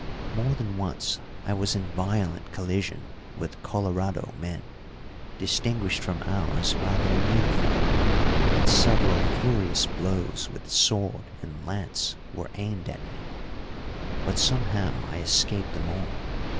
More than once I was in violent collision with Colorado men, distinguished from ours by their uniform, and several furious blows with sword and lance were aimed at me, but somehow I escaped them all.